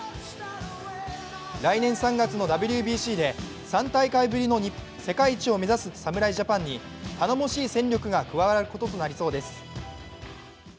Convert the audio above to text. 来年３月のＷＢＣで３大会ぶりの世界一を目指す侍ジャパンに頼もしい戦略が加わることとなりそうです。